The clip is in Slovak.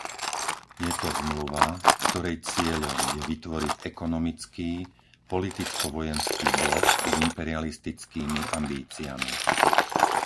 Je to Zmluva, ktorej cieľom je vytvoriť ekonomický, politicko-vojenský blok s imperialistickými ambíciami.